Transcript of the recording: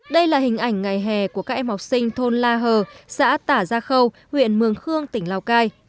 đây là hình ảnh ngày hè của các em học sinh thôn la hờ xã tả gia khâu huyện mường khương tỉnh lào cai